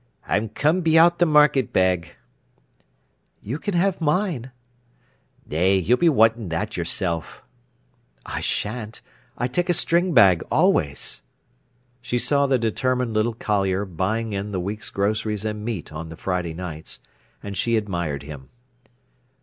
"I'm come be out th' market bag." "You can have mine." "Nay, you'll be wantin' that yourself." "I shan't. I take a string bag always." She saw the determined little collier buying in the week's groceries and meat on the Friday nights, and she admired him.